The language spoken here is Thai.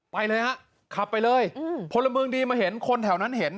ไปเลยฮะขับไปเลยพลเมืองดีมาเห็นคนแถวนั้นเห็น